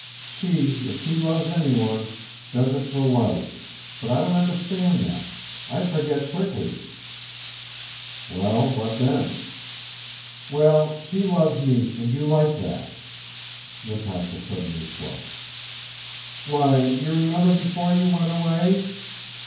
She, if she loves anyone, does it for life, but I don't understand that, I forget quickly." "Well, what then?" "Well, she loves me and you like that." Natásha suddenly flushed. "Why, you remember before you went away?...